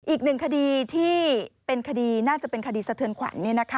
อีกหนึ่งคดีที่เป็นคดีน่าจะเป็นคดีสะเทือนขวัญ